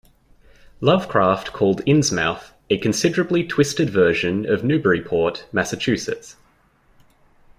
Lovecraft called Innsmouth "a considerably twisted version of Newburyport", Massachusetts.